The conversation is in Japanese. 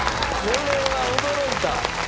これは驚いた！